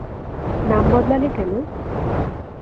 নাম বদলালে কেন?